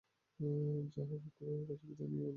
যা হোক, অক্ষয়বাবুর কাছে বিদায় নিয়ে এলুম।